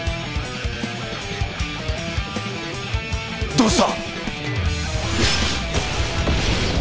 どうした！？